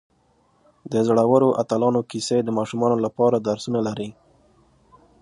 د زړورو اتلانو کیسې د ماشومانو لپاره درسونه لري.